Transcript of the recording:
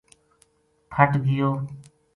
پھٹ گیو